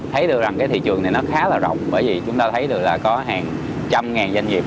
thấy được rằng cái thị trường này nó khá là rộng bởi vì chúng ta thấy được là có hàng trăm ngàn doanh nghiệp